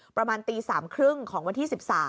ประมาณตี๓๓๐ของวันที่๑๓